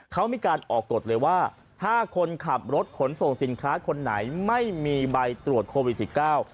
เขามีการออกกฎเลยว่าถ้าคนขับรถขนส่งสินค้าคนไหนไม่มีใบตรวจโควิดสิบเก้า